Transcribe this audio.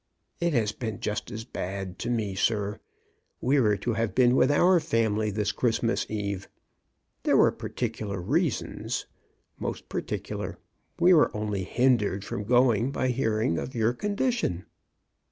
*' It has been just as bad to me, sir. We were to have been with our family this Christ mas eve. There were particular reasons — most particular. We were only hindered from going by hearing of your condition."